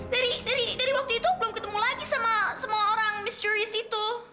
dari dari dari waktu itu saya belum bertemu lagi dengan semua orang misterius itu